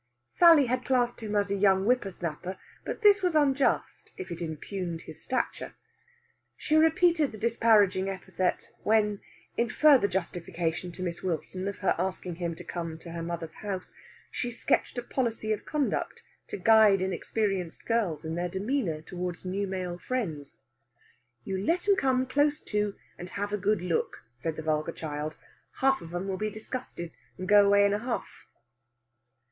Sally had classed him as a young whippersnapper, but this was unjust, if it impugned his stature. She repeated the disparaging epithet when, in further justification to Miss Wilson of her asking him to her mother's house, she sketched a policy of conduct to guide inexperienced girls in their demeanour towards new male friends. "You let 'em come close to, and have a good look," said the vulgar child. "Half of 'em will be disgusted, and go away in a huff."